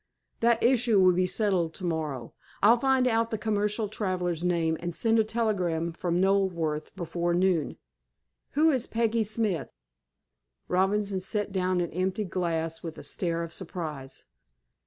"That issue will be settled to morrow. I'll find out the commercial traveler's name, and send a telegram from Knoleworth before noon.... Who is Peggy Smith?" Robinson set down an empty glass with a stare of surprise.